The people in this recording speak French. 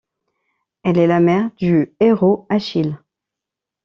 Elle est la mère du héros Achille.